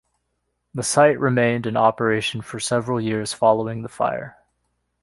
The site remained in operation for several years following the fire.